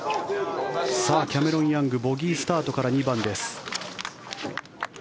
キャメロン・ヤングボギースタートから２番です。